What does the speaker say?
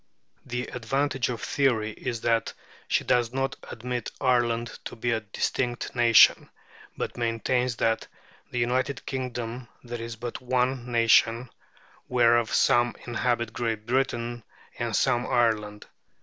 The advantage of theory is that she does not admit Ireland to be a distinct nation, but maintains that in the United Kingdom there is but one nation, whereof some inhabit Great Britain and some Ireland.